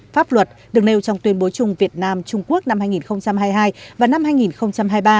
pháp luật được nêu trong tuyên bố chung việt nam trung quốc năm hai nghìn hai mươi hai và năm hai nghìn hai mươi ba